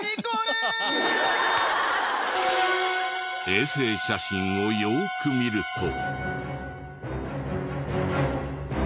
衛星写真をよーく見ると。